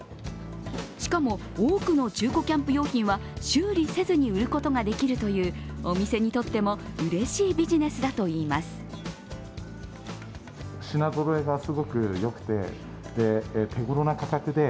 しかも多くの中古キャンプ用品は修理せずに売ることができるというお店にとってもうれしいビジネスだといいます。